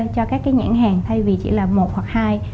cho các cái nhãn hàng thay vì chỉ là một hoặc hai